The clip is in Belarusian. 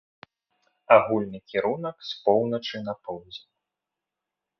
Агульны кірунак з поўначы на поўдзень.